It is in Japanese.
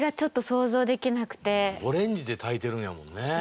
オレンジで炊いてるんやもんね。